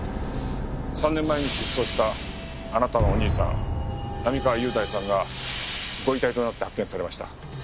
３年前に失踪したあなたのお兄さん並河優大さんがご遺体となって発見されました。